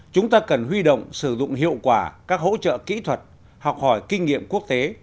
chúng ta cần huy động sử dụng hiệu quả các hỗ trợ kỹ thuật học hỏi kinh nghiệm quốc tế